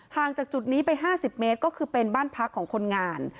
จากจุดนี้ไป๕๐เมตรก็คือเป็นบ้านพักของคนงาน